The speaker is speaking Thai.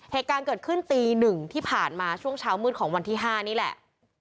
เหตุการณ์เกิดขึ้นตี๑ที่ผ่านมาช่วงเช้ามืดของวันที่๕นี่แหละ